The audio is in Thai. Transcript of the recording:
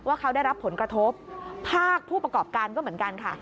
เขาได้รับผลกระทบภาคผู้ประกอบการก็เหมือนกันค่ะ